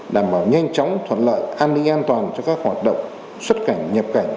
đảm bảo nhanh chóng thuận lợi an ninh an toàn cho các hoạt động xuất cảnh nhập cảnh